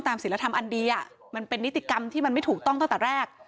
ศิลธรรมอันดีอ่ะมันเป็นนิติกรรมที่มันไม่ถูกต้องตั้งแต่แรก